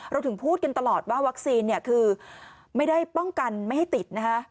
ถึงพูดกันตลอดว่าวัคซีนเนี่ยคือไม่ได้ป้องกันไม่ให้ติดนะคะ